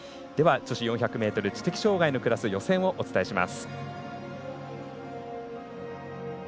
では女子４００ｍ知的障がいのクラス予選をお伝えします。